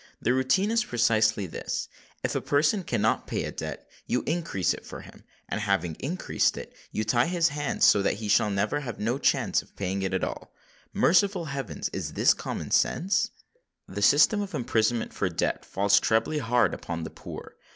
The routine is precisely this:—If a person cannot pay a debt, you increase it for him: and, having increased it, you tie his hands so that he shall have no chance of paying it at all! Merciful heavens! is this common sense? The system of imprisonment for debt falls trebly hard upon the poor.